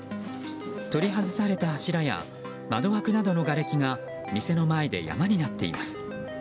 取り外された柱や窓枠などのがれきが店の前で山になっています。